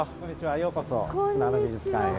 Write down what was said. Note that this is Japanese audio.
ようこそ砂の美術館へ。